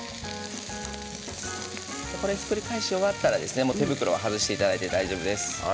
ひっくり返し終わったら手袋を外していただいて大丈夫です。